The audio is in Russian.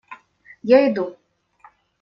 Я иду.